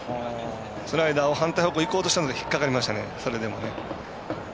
スライダーを反対方向いこうとしたので引っ掛かりましたね。